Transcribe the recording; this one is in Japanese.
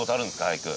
俳句。